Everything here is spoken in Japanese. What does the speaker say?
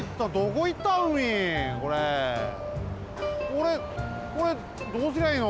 これこれどうすりゃいいの？